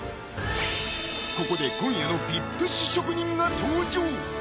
ここで今夜のＶＩＰ試食人が登場！